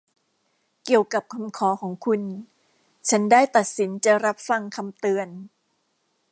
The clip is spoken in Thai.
เกี่ยวกับคำขอของคุณ ฉันได้ตัดสินจะรับฟังคำเตือน